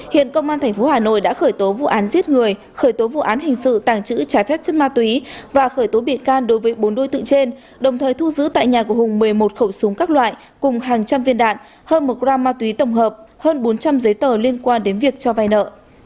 hiện công an tp hà nội đã khởi tố vụ án giết người khởi tố vụ án hình sự tàng trữ trái phép chất ma túy và khởi tố bị can đối với bốn đối tượng trên đồng thời thu giữ tại nhà của hùng một mươi một khẩu súng các loại cùng hàng trăm viên đạn hơn một gram ma túy tổng hợp hơn bốn trăm linh giấy tờ liên quan đến việc cho vai nợ